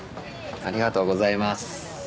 ありがとうございます